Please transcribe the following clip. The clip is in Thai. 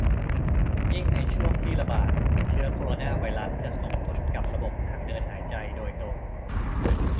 ยิ่งในช่วงที่ ระบาด เชื้อโคโรนาไวรัสจะส่งผลกับระบบทางเดินหายใจโดยตรง